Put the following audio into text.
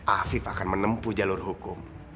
afif akan menempuh jalur hukum